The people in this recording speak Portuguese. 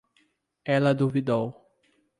Ela duvidou